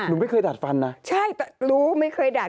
หนุ่มไม่เคยดาดฟันนะใช่รู้ไม่เคยดาด